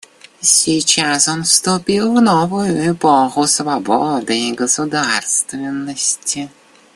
Сейчас он вступил в новую эпоху свободы и государственности.